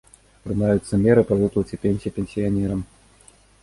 Прымаюцца меры па выплаце пенсій пенсіянерам.